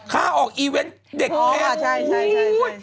ฆ่าออกอีเว้นต์เด็กแพงโอ้โฮฮู้ว